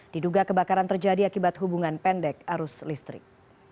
diduga kebakaran terjadi akibat hubungan pendek arus listrik